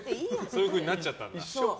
そういうふうになっちゃったんだ。